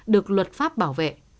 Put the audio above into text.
được luật pháp bảo vệ